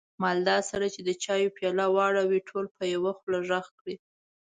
مالداره سړی چې د چایو پیاله واړوي، ټول په یوه خوله غږ کړي.